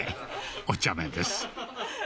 おちゃめです。